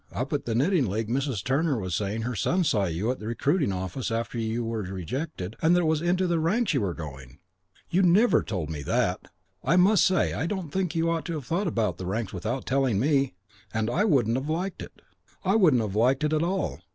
Up at the Knitting League Mrs. Turner was saying her son saw you at the recruiting office after you were rejected and that it was into the ranks you were going. You never told me that. I must say I don't think you ought to have thought about the ranks without telling me. And I wouldn't have liked it. I wouldn't have liked it at all.